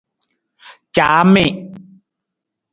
Caami.